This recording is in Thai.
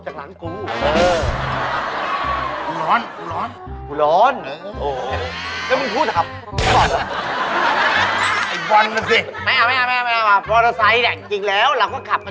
จักษี่พี่ต้องทำประกันนะ